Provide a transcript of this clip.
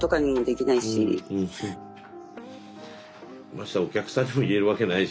ましてやお客さんにも言えるわけないしね。